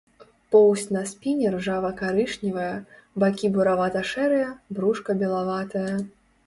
Поўсць на спіне ржава-карычневая, бакі буравата-шэрыя, брушка белаватае.